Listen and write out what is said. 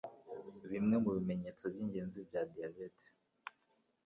BIMWE MU BIMENYETSO BY'INGENZI BYA DIYABETE